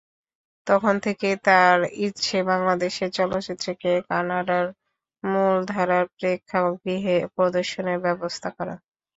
তখন থেকেই তাঁর ইচ্ছে বাংলাদেশের চলচ্চিত্রকে কানাডার মূলধারার প্রেক্ষাগৃহে প্রদর্শনের ব্যবস্থা করা।